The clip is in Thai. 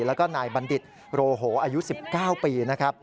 แล้วก็นายบัณฑิตโรโหอายุ๑๙ปี